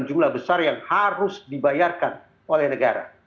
jumlah besar yang harus dibayarkan oleh negara